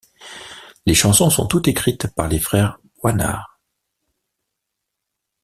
Les chansons sont toutes écrites par les frères Boisnard.